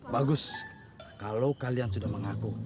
bagus kalau kalian sudah mengaku